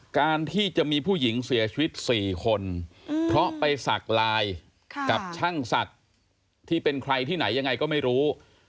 การที่จะมีผู้หญิงเสียชีวิต๔คนเพราะไปศักดิ์ไลน์กับช่างศักดิ์ที่เป็นใครที่ไหนยังไงก็ไม่รู้